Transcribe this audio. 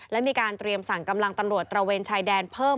และมีการเตรียมสั่งกำลังตำรวจตระเวนชายแดนเพิ่ม